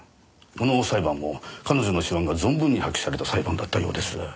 この裁判も彼女の手腕が存分に発揮された裁判だったようです。